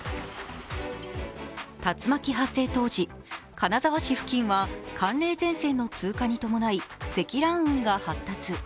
竜巻発生当時、金沢市付近は寒冷前線の通過に伴い積乱雲が発達。